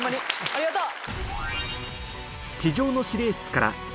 ありがとう！